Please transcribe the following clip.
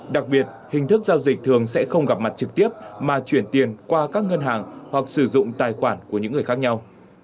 đặc biệt hình thức giao dịch thường sẽ không gặp mặt trực tiếp mà chuyển tiền qua các ngân hàng hoặc sử dụng tài khoản của những người khác nhau